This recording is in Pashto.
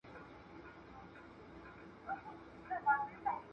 ککړې اوبه ناروغي پیدا کوي.